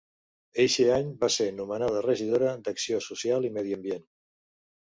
Eixe any va ser nomenada regidora d'Acció Social i Medi Ambient.